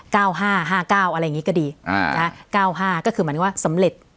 ห้าห้าเก้าอะไรอย่างนี้ก็ดีอ่านะฮะเก้าห้าก็คือหมายถึงว่าสำเร็จ